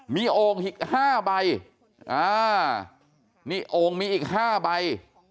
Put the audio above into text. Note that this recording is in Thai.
มีโอ้ง๕ใบนี่โอ้งมีอีก๕ใบ